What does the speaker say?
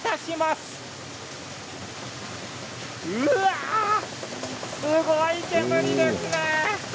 すごい煙ですね。